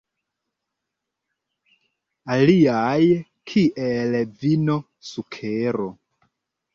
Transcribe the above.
Aliaj, kiel vino, sukero.